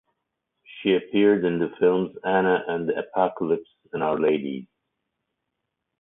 She appeared in the films "Anna and the Apocalypse" and "Our Ladies".